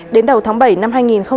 đến đầu tháng bảy năm hai nghìn hai mươi